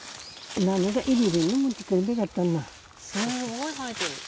すごい生えてる。